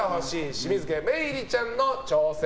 清水家、萌衣里ちゃんの挑戦。